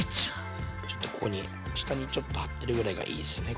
ちょっとここに下にちょっと張ってるぐらいがいいですね。